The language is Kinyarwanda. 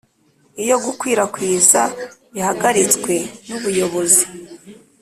Iyo gukwirakwiza bihagaritswe n ubuyobozi